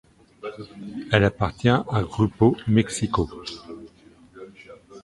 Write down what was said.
Elle appartient à Grupo Mexico.